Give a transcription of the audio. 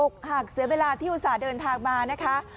อกหักเสียเวลาที่อุตส่าห์เดินทางมานะคะ